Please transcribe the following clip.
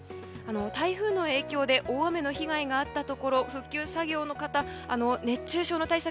台風の影響で大雨の被害があったところ復旧作業の方、熱中症の対策